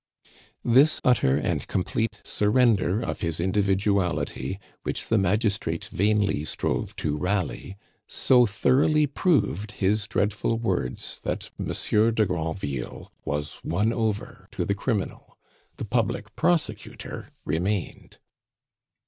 This utter and complete surrender of his individuality, which the magistrate vainly strove to rally, so thoroughly proved his dreadful words, that Monsieur de Granville was won over to the criminal. The public prosecutor remained!